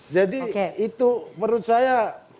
jadi itu menurut saya